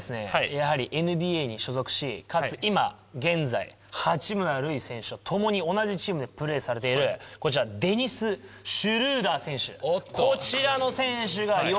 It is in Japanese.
やはりＮＢＡに所属しかつ今現在八村塁選手とともに同じチームでプレーされているこちらデニス・シュルーダー選手。